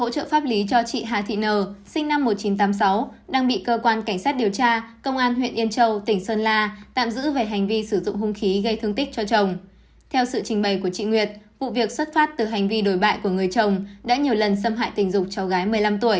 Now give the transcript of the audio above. các bạn hãy đăng ký kênh để ủng hộ kênh của chúng mình nhé